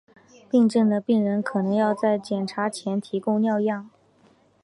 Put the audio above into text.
某些尿路可能有感染症状的病人可能要在检查前提供尿样。